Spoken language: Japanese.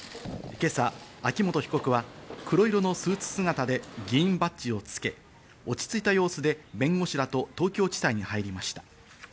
今朝、秋元被告は黒色のスーツ姿で議員バッジをつけ、落ち着いた様子で弁護士らと東京地裁に入りました。